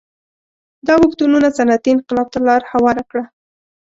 دا اوښتونونه صنعتي انقلاب ته لار هواره کړه